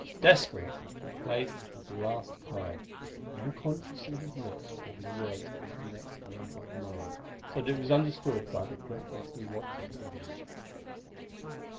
Desperate, he played his last card; and unconsciously his lips formed the words of his next mental command, so that it was understood by the breathlessly watching Vivian.